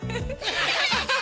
アハハハ！